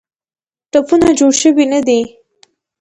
ټپونه جوړ سوي نه دي.